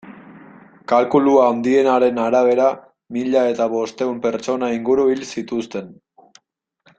Kalkulu handienaren arabera, mila eta bostehun pertsona inguru hil zituzten.